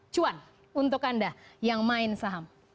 cuan untuk anda yang main saham